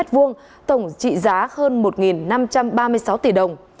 tổng trị giá hơn một năm trăm ba mươi sáu tỷ đồng